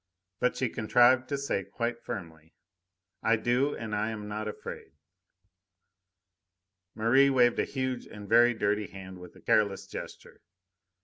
But she contrived to say quite firmly: "I do, and I am not afraid." Merri waved a huge and very dirty hand with a careless gesture.